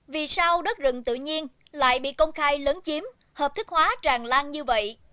vì sao đất rừng tự nhiên lại bị công khai lấn chiếm hợp thức hóa tràn lan như vậy